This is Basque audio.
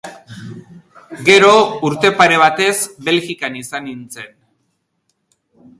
Gero, urte pare batez Belgikan izan nintzen.